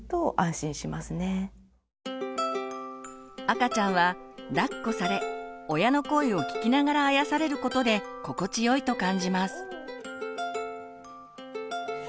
赤ちゃんはだっこされ親の声を聞きながらあやされることで心地よいと感じます。